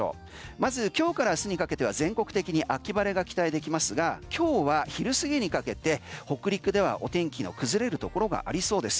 まず今日から明日にかけては全国的に秋晴れが期待できますが今日は昼過ぎにかけて北陸ではお天気の崩れるところがありそうです。